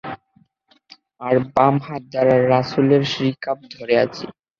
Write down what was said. আর বাম হাত দ্বারা রাসূলের রিকাব ধরে আছি।